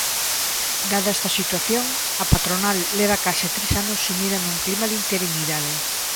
Dada esta situación, a patronal leva case tres anos sumida nun clima de interinidade.